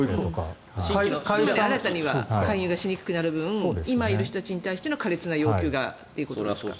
新たに勧誘しにくくなる分今いる人たちの苛烈な要求がということですね。